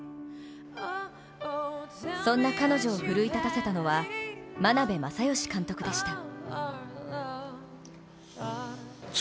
そんな彼女を奮い立たせたのは眞鍋政義監督でした。